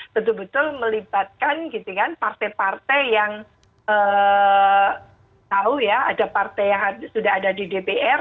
tentu tentu melibatkan partai partai yang tahu ya ada partai yang sudah ada di dpr